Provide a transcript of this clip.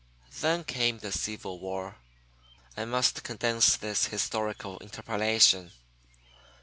Then came the Civil War. (I must condense this historical interpolation.)